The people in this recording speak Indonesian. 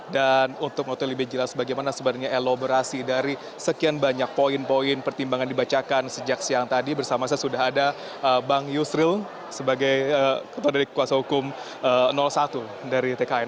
untuk mengetahui lebih jelas bagaimana sebenarnya elaborasi dari sekian banyak poin poin pertimbangan dibacakan sejak siang tadi bersama saya sudah ada bang yusril sebagai ketua dari kuasa hukum satu dari tkn